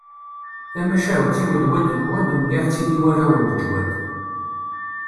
Tamacahut-iw lwad lwad mliɣ-tt-id i warraw n lejwad.